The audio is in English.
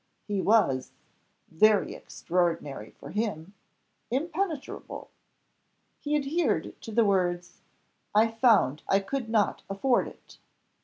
He was very extraordinary for him impenetrable: he adhered to the words "I found I could not afford it."